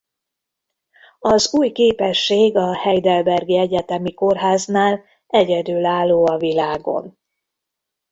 Az új képesség a Heidelbergi Egyetemi Kórháznál egyedülálló a világon.